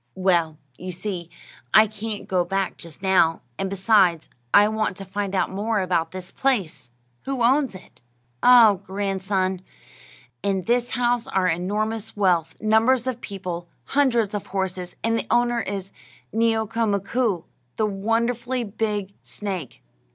"Well, you see, I can't go back just now; and besides, I want to find out more about this place. Who owns it?" "Ah, grandson, in this house are enormous wealth, numbers of people, hundreds of horses, and the owner is Neeo'ka Mkoo', the wonderfully big snake.